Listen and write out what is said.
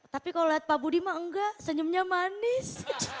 tapi kalau lihat pak budi mah enggak senyumnya manis